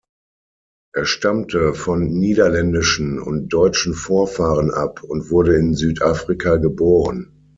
Er stammte von niederländischen und deutschen Vorfahren ab und wurde in Südafrika geboren.